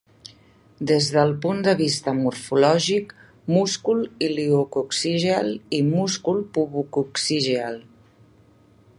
Des del punt de vista morfològic: múscul iliococcigeal i múscul pubococcigeal.